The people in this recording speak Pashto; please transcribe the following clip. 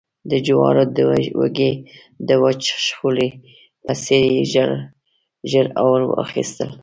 د جوارو د وږي د وچ شخولي په څېر يې ژر اور واخیست